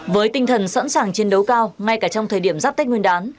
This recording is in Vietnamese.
với tinh thần sẵn sàng chiến đấu cao ngay cả trong thời điểm giáp tết nguyên đán